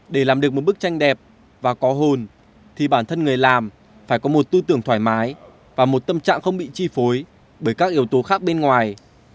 để làm được một bức tranh đẹp và có hồn thì bản thân người làm phải có một tư tưởng thoải mái và một tâm trạng không bị chi phối bởi các yếu tố khác bên ngoài